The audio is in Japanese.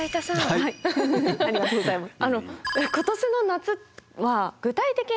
ありがとうございます。